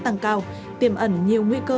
tăng cao tiềm ẩn nhiều nguy cơ